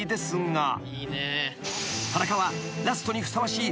［田中はラストにふさわしい］